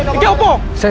tidak ada apa apa